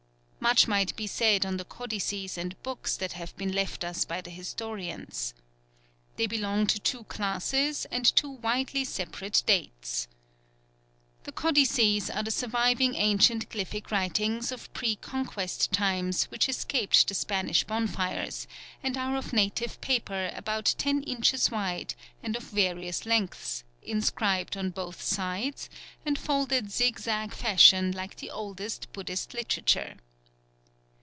Much might be said on the codices and books that have been left us by the historians. They belong to two classes and two widely separate dates. The Codices are the surviving ancient glyphic writings of pre Conquest times which escaped the Spanish bonfires, and are of native paper about ten inches wide and of various lengths, inscribed on both sides, and folded zigzag fashion like the oldest Buddhist literature.